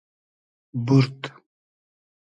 بورد